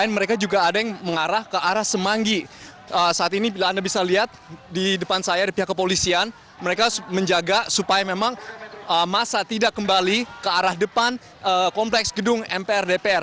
mereka menjaga supaya memang masa tidak kembali ke arah depan kompleks gedung mpr dpr